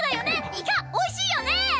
イカおいしいよね！